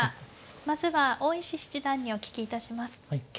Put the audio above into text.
まずは大石七段にお聞きいたします。